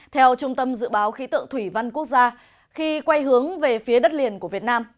theo trung tâm dự báo khí tượng thủy văn quốc gia khi quay hướng về phía đất liền của việt nam